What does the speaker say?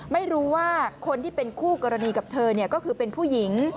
ไม่รู้ว่าคนที่เป็นคู่กรณีกับเธอก็คือเป็นผู้หญิง